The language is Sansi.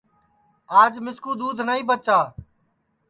آج مِسکُو دؔودھ نائی بچا